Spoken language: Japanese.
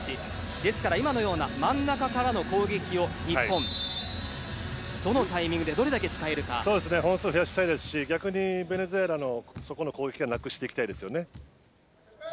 ですから今のような真ん中からの攻撃を日本、どのタイミングで本数を増やしたいですし逆にベネズエラのそこの攻撃はなくしていきたいですよね。